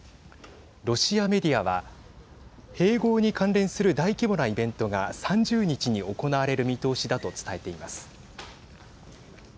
ロシアメディアは併合に関連する大規模なイベントが３０日に行われる見通しだと伝えています。